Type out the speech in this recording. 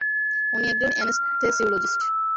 উনি একজন এনেস্থেসিওলজিস্ট!